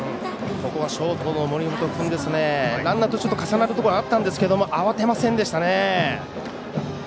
ここはショートの森本君ランナーと重なるところはあったんですけど慌てませんでしたね。